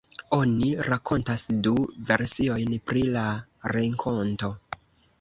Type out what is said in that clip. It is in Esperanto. Oni rakontas du versiojn pri la renkonto.